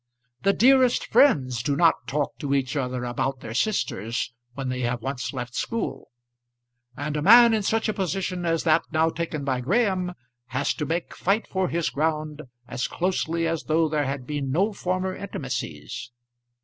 The dearest friends do not talk to each other about their sisters when they have once left school; and a man in such a position as that now taken by Graham has to make fight for his ground as closely as though there had been no former intimacies.